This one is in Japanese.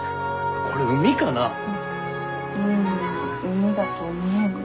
海だと思うよ？